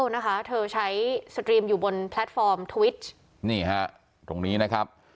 นะคะเธอใช้สตรีมอยู่บนแพลตฟอร์มทวิชนี่ฮะตรงนี้นะครับ